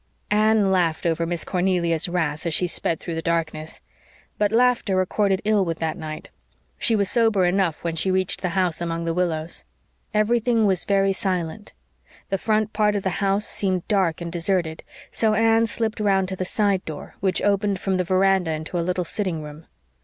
Anne laughed over Miss Cornelia's wrath as she sped through the darkness. But laughter accorded ill with that night. She was sober enough when she reached the house among the willows. Everything was very silent. The front part of the house seemed dark and deserted, so Anne slipped round to the side door, which opened from the veranda into a little sitting room.